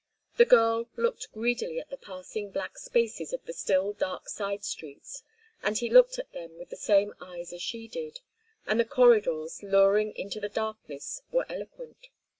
The girl looked greedily at the passing black spaces of the still dark side streets and he looked at them with the same eyes as she did, and the corridors, luring into the darkness, were eloquent.